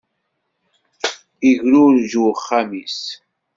Igrurej uxxam-is.